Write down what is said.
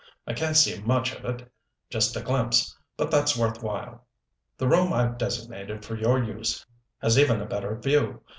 "I can't see much of it just a glimpse but that's worth while. The room I've designated for your use has even a better view.